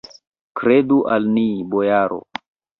Kredu al ni, bojaro!